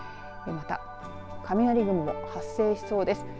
また、雷雲、発生しそうです。